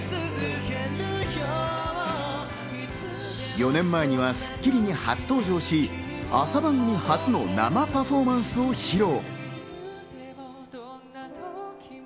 ４年前には『スッキリ』に初登場し、朝番組初の生パフォーマンスを披露。